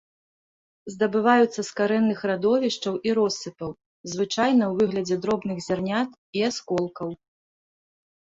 Здабываюцца з карэнных радовішчаў і россыпаў, звычайна ў выглядзе дробных зярнят і асколкаў.